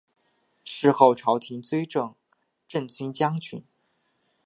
事后朝廷追赠镇军将军。